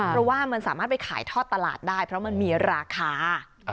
เพราะว่ามันสามารถไปขายทอดตลาดได้เพราะมันมีราคา